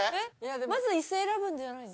まず、いす選ぶんじゃないの？